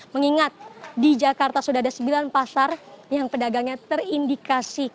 mengingat di jakarta sudah ada sembilan pasar yang pedagangnya terindikasi covid sembilan belas